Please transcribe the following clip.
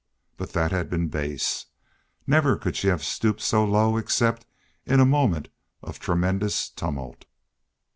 But that had been base. Never could she have stopped so low except in a moment of tremendous tumult.